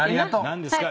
何ですか？